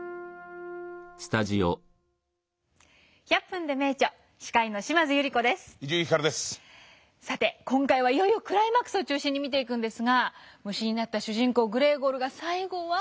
「１００分ｄｅ名著」司会のさて今回はいよいよクライマックスを中心に見ていくんですが虫になった主人公グレーゴルが最後は。